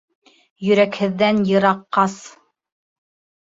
Йөрәкһеҙҙән йыраҡ ҡас.